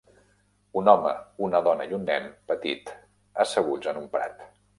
Un home, una dona i un nen petit asseguts en un prat.